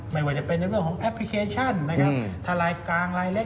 ไม่ว่าจะเป็นในเรื่องของแอปพลิเคชันนะครับทลายกลางลายเล็ก